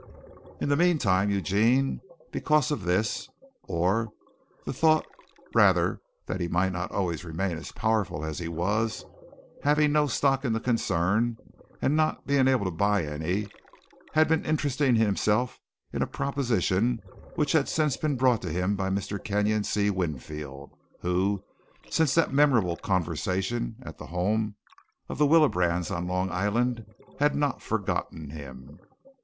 In the meantime, Eugene, because of this or the thought rather that he might not always remain as powerful as he was, having no stock in the concern and not being able to buy any, had been interesting himself in a proposition which had since been brought to him by Mr. Kenyon C. Winfield, who, since that memorable conversation at the home of the Willebrands on Long Island, had not forgotten him.